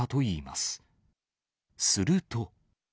すると。